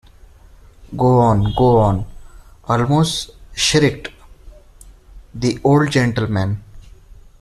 ‘Go on, go on,’ almost shrieked the old gentleman.